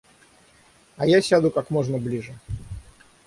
А я сяду как можно ближе.